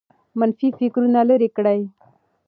منفي فکرونه لیرې کړئ.